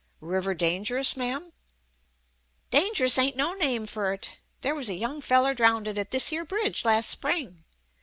"River dangerous, ma'am?" "Dang'rous ain't no name for 't. There was a young feller drowndid at this here bridge las' spring.